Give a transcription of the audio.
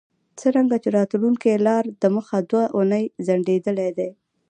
څرنګه چې راتلونکی لا دمخه دوه اونۍ ځنډیدلی دی